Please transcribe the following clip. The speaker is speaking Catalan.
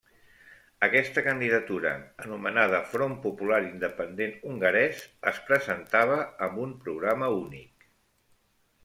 Aquesta candidatura, anomenada Front Popular Independent Hongarès, es presentava amb un programa únic.